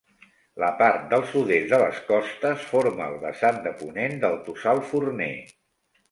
La part del sud-est de les costes formen el vessant de ponent del Tossal Forner.